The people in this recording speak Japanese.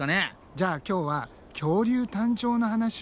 じゃあ今日は「恐竜誕生の話」をしよう。